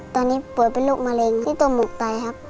ตอนนี้ป่วยเป็นลูกมะเร็งริตูมุกไต